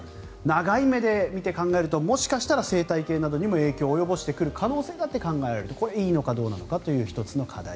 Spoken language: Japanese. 長い目で見て考えるともしかしたら生態系などにも影響を及ぼしてくる可能性だって考えられるこれ、いいのかどうなのかという１つの課題。